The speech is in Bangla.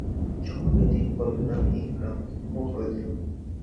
জবাবে তিনি বলেন, আমি ইকরামাকে ক্ষমা করে দিলাম।